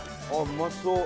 うまそう